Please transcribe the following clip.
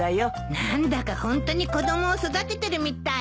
何だかホントに子供を育ててるみたいね。